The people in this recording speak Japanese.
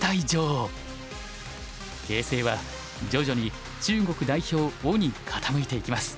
形勢は徐々に中国代表於に傾いていきます。